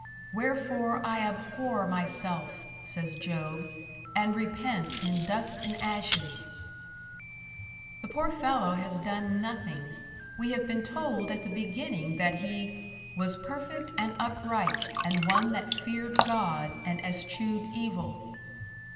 "Wherefore I abhor myself," says Job, "and repent in dust and ashes." The poor fellow has done nothing; we have been told at the beginning that he "was perfect and upright, and one that feared God, and eschewed evil."